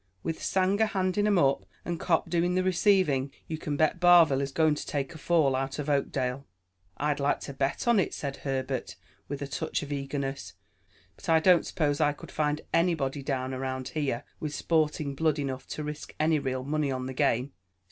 With Sanger handing 'em up, and Cop doing the receiving, you can bet Barville is going to take a fall out of Oakdale." "I'd like to bet on it," said Herbert, with a touch of eagerness; "but I don't suppose I could find anybody down around here with sporting blood enough to risk any real money on the game.